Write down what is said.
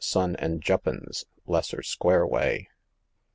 Son an' Juppins, Les'er Square way.